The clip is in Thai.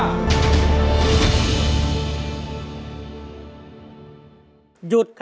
หยุด